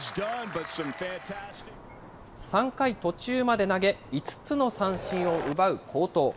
３回途中まで投げ、５つの三振を奪う好投。